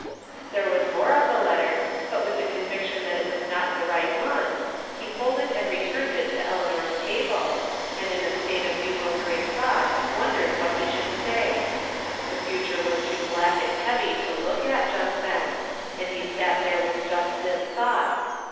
There was more of the letter, but with the conviction that it was not the right one, he folded and returned it to Eleanor's table, and in a state of bewildering thought wondered what he should say. The future was too black and heavy to look at just then, and he sat there with just this thought.